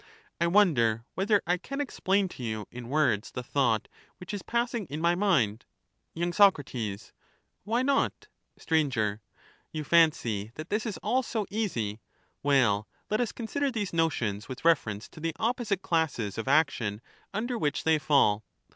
I wonder whether I can explain to you in words the thought which is passing in my mind. Y.Soc. Why not? We express Str. You fancy that this is all so easy: Well, let us mir^on consider these notions with reference to the opposite classes for quick of action under which they fall.